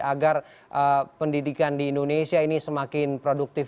agar pendidikan di indonesia ini semakin produktif